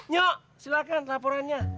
nyok silahkan laporannya